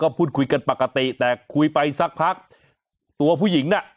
พูดคุยกันปกติแต่คุยไปสักพักตัวผู้หญิงน่ะ